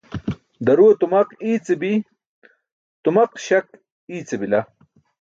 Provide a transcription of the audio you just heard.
Daruwe tumaq iice bi, tumaq-śak iice bila.